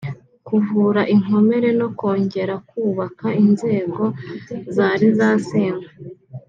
kuvura inkomere no kongera kubaka inzego zari zasenywe